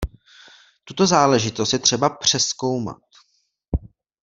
Tuto záležitost je třeba přezkoumat.